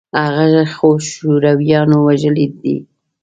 هغه خو شورويانو وژلى دى.